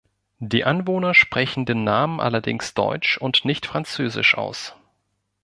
Die Anwohner sprechen den Namen allerdings deutsch und nicht französisch aus.